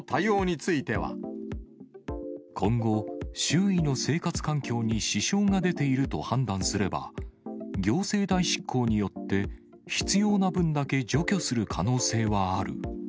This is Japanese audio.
今後、周囲の生活環境に支障が出ていると判断すれば、行政代執行によって必要な分だけ除去する可能性はある。